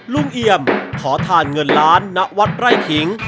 เอี่ยมขอทานเงินล้านณวัดไร่ขิง